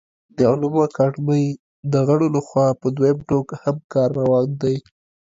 د علومو اکاډمۍ د غړو له خوا په دویم ټوک هم کار روان دی